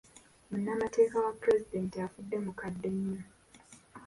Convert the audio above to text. Munnamateeka wa pulezidenti afudde mukadde nnyo.